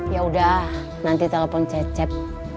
yaudah nanti telepon cecep